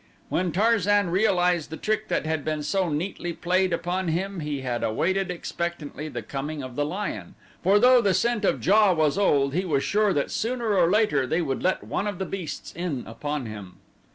When Tarzan realized the trick that had been so neatly played upon him he had awaited expectantly the coming of the lion, for though the scent of JA was old he was sure that sooner or later they would let one of the beasts in upon him.